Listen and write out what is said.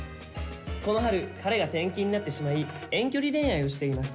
「この春彼が転勤になってしまい遠距離恋愛をしています。